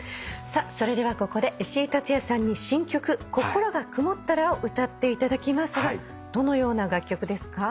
それではここで石井竜也さんに新曲『心が曇ったら』を歌っていただきますがどのような楽曲ですか？